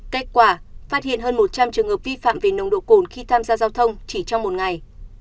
kết quả phát hiện hơn một trăm linh trường hợp vi phạm về nồng độ cồn khi tham gia giao thông chỉ trong một ngày